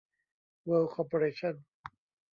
เวิลด์ คอร์ปอเรชั่น